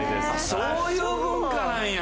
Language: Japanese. そういう文化なんや。